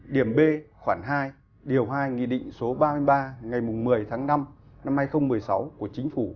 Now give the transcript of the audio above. điểm b khoảng hai điều hai nghị định số ba mươi ba ngày một mươi tháng năm năm hai nghìn một mươi sáu của chính phủ